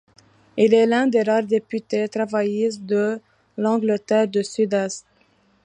Il est l'un des rares députés travaillistes de l'Angleterre du Sud-Est.